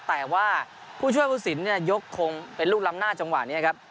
แต่ว่าผู้ช่วยผู้สินเนี่ยยกคงเป็นลูกล้ำหน้าจังหวะนี้ครับ